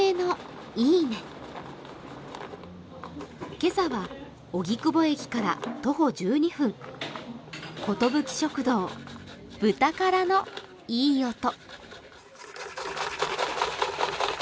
今朝は荻窪駅から徒歩１２分、ことぶき食堂、ブタカラのいい音。